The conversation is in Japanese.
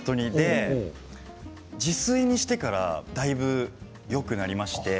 自炊にしてからだいぶよくなりました。